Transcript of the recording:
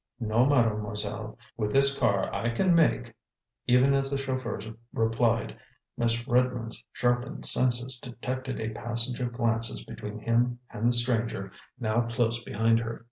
"No, Mademoiselle, with this car I can make " Even as the chauffeur replied, Miss Redmond's sharpened senses detected a passage of glances between him and the stranger, now close behind her.